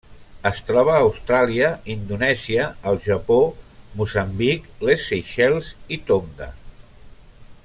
Es troba a Austràlia, Indonèsia, el Japó, Moçambic, les Seychelles i Tonga.